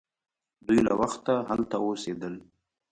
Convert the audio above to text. دوی له وخته هلته اوسیدل.